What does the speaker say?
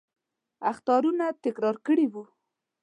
اخطارونه تکرار کړي وو.